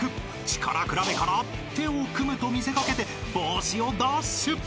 ［力比べから手を組むと見せ掛けて帽子を奪取！］